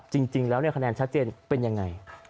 จริงแล้วคะแนนชัดเจนเป็นยังไง